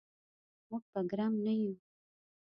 موږ به ګرم نه یو.